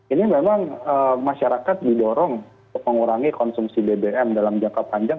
ini memang masyarakat didorong untuk mengurangi konsumsi bbm dalam jangka panjang